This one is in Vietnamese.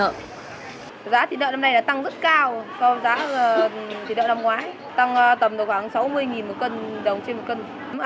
giá thịt lợn năm nay tăng rất cao so với giá thịt lợn năm ngoái tăng tầm sáu mươi đồng một kg